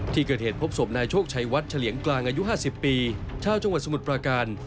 ที่เกิดเหตุพบศพนายโชคชัยวัดเฉลี่ยงกลางอายุ๕๐ปีชาวจังหวัดสมุทรปราการ